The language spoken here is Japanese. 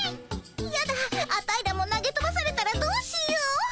やだアタイらも投げとばされたらどうしよう。